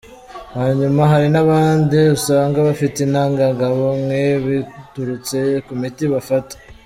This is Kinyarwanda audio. Hanyuma hari nabandi usanga bafite intangangabo nke biturutse ku miti bafata.